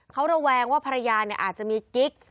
เขาระแวงว่าพระยาเนี่ยอาจจะมีกิ๊ก